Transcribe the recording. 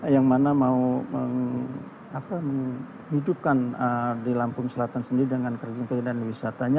yang mana mau menghidupkan di lampung selatan sendiri dengan kerajinan keindahan wisatanya